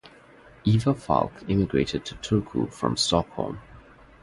Eva Falck immigrated to Turku from Stockholm.